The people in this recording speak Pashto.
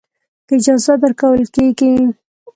که اجازه درکول کېږي.